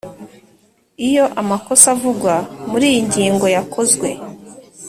Iyo amakosa avugwa muri iyi ngingo yakozwe